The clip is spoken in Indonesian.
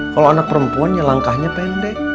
kalau anak perempuan ya langkahnya pendek